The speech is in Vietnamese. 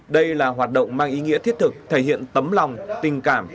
đây là hoạt động mang ý nghĩa thiết thực thể hiện tấm lòng tình cảm